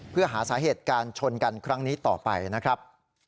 เพื่อหาสาเหตุการชนกันครั้งนี้ต่อไปนะครับ